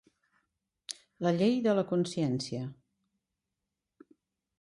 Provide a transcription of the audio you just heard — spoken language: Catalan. La llei de la consciència.